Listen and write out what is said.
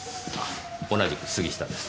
同じく杉下です。